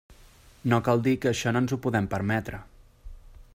No cal dir que això no ens ho podem permetre.